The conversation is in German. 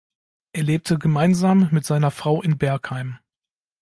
Er lebte gemeinsam mit seiner Frau in Bergheim.